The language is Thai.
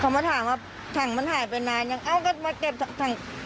เขามาถามว่าถังมันหายไปนานยังเอ้าก็มาเก็บถัง